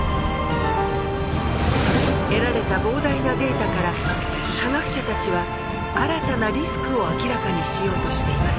得られた膨大なデータから科学者たちは新たなリスクを明らかにしようとしています。